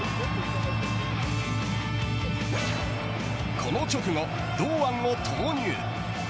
この直後、堂安を投入。